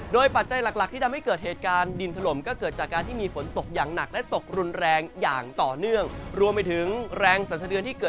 โดยปัจจัยหลักที่ทำให้เกิดเหตุการณ์ดินทรลมก็เกิดจากการที่มีฝนตกอย่างหนักและสกนแรงอย่างต่อเนื่องรวมไปถึงแรงเสื่อ